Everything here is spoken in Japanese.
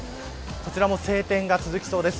こちらも晴天が続きそうです。